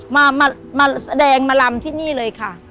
มาแสดงมารำที่นี่เลยค่ะ